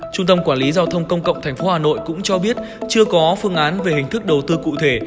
trung tâm quản lý giao thông công cộng tp hà nội cũng cho biết chưa có phương án về hình thức đầu tư cụ thể